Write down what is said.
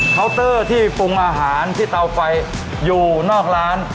เตอร์ที่ปรุงอาหารที่เตาไฟอยู่นอกร้าน